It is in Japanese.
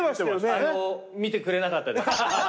あの見てくれなかったです。